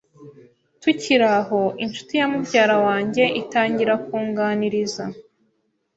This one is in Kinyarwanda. Tukiri aho inshuti ya mubyara wanjye itangira kunganiriza